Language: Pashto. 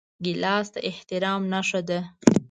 ګیلاس د احترام نښه ده.